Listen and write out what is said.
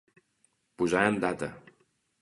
Posar en data.